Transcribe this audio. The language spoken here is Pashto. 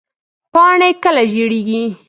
پاڼې کله ژیړیږي؟